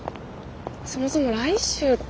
そもそも来週って。